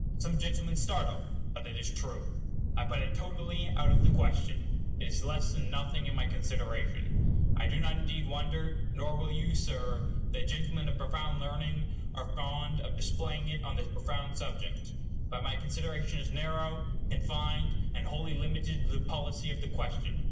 Some gentlemen startle but it is true; I put it totally out of the question. It is less than nothing in my consideration. I do not indeed wonder, nor will you, Sir, that gentlemen of profound learning are fond of displaying it on this profound subject. But my consideration is narrow, confined, and wholly limited to the policy of the question.